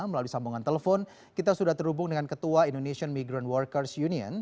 melalui sambungan telepon kita sudah terhubung dengan ketua indonesian migran workers union